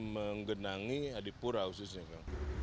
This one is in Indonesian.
menggenangi adipura khususnya